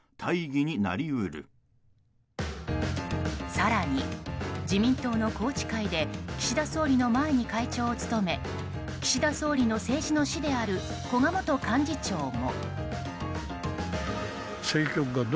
更に自民党の宏池会で岸田総理の前に会長を務め岸田総理の政治の師である古賀元幹事長も。